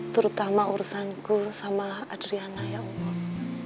terutama urusanku sama adriana ya allah